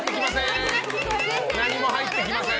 何も入ってきません。